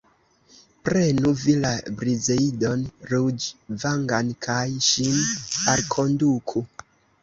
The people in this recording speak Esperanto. Prenu vi la Brizeidon ruĝvangan kaj ŝin alkonduku.